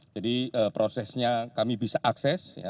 jadi prosesnya kami bisa akses ya